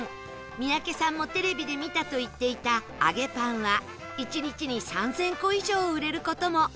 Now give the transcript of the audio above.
三宅さんもテレビで見たと言っていたあげぱんは１日に３０００個以上売れる事も